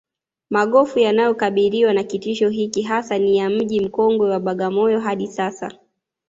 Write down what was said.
Magofu yanayokabiriwa na kitisho hiki hasa ni ya Mji mkongwe wa Bagamoyo hadi Sasa